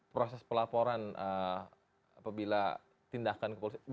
proses pelaporan apabila tindakan kepolisian